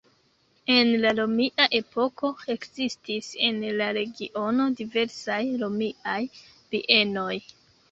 En la romia epoko ekzistis en la regiono diversaj romiaj bienoj.